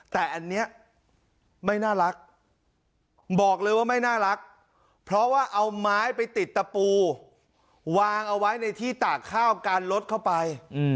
แต่อันนี้ไม่น่ารักบอกเลยว่าไม่น่ารักเพราะว่าเอาไม้ไปติดตะปูวางเอาไว้ในที่ตากข้าวการลดเข้าไป